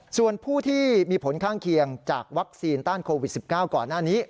ส่วนผู้ที่มีผลข้างเคียงจากวัคซีนต้านโควิด๑๙ก่อนหน้านี้